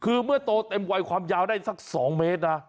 คือเมื่อโตเต็มวัยความยาวได้สัก๒เมตรนะ